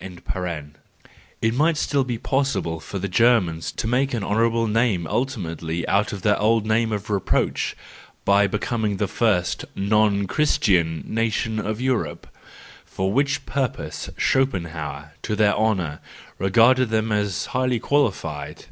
—It might still be pos¬ sible for the Germans to make an honourable name ultimately out of their old name of reproach, by becoming the first non Christian nation of Europe ; for which purpose Schopenhauer, to their honour, regarded them as highly qualified.